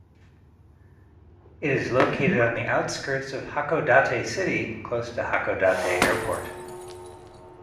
It is located on the outskirts of Hakodate city close to Hakodate Airport.